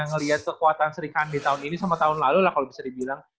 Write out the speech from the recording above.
ngelihat kekuatan sri kandi tahun ini sama tahun lalu lah kalau bisa dibilang